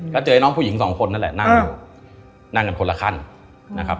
ก็เจอน้องผู้หญิงสองคนนั่นแหละนั่งกันคนละขั้นนะครับ